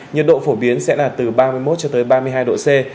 nhiệt độ phổ biến sẽ là từ ba mươi một cho tới ba mươi hai độ c